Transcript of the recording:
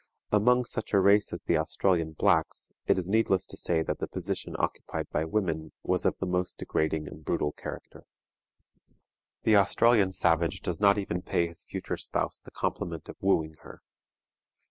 Among such a race as the Australian blacks it is needless to say that the position occupied by women was of the most degrading and brutal character. The Australian savage does not even pay his future spouse the compliment of wooing her.